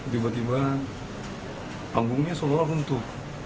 tiba tiba panggungnya seolah olah runtuh